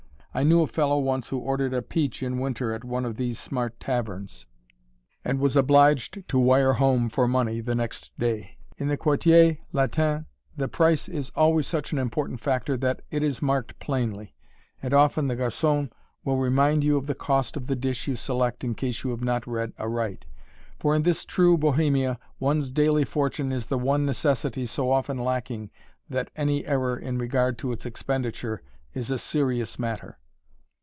I knew a fellow once who ordered a peach in winter at one of these smart taverns, and was obliged to wire home for money the next day. In the Quartier Latin the price is always such an important factor that it is marked plainly, and often the garçon will remind you of the cost of the dish you select in case you have not read aright, for in this true Bohemia one's daily fortune is the one necessity so often lacking that any error in regard to its expenditure is a serious matter.